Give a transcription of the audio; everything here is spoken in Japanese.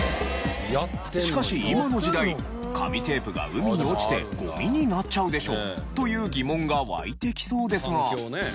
しかし今の時代「紙テープが海に落ちてゴミになっちゃうでしょ」という疑問が湧いてきそうですが。